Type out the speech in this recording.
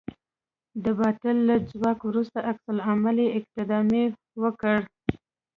د باطل له ځواک وروسته عکس العملي اقدام وکړئ.